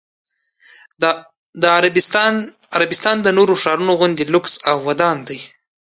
د عربستان نورو ښارونو غوندې لوکس او ودان دی.